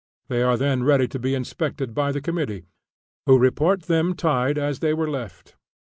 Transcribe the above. They are then ready to be inspected by the Committee, who report them tied as they were left.